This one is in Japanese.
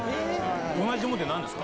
同じものってなんですか？